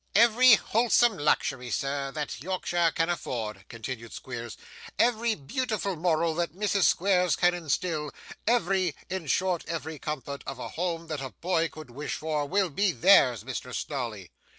'Every wholesome luxury, sir, that Yorkshire can afford,' continued Squeers; 'every beautiful moral that Mrs. Squeers can instil; every in short, every comfort of a home that a boy could wish for, will be theirs, Mr. Snawley.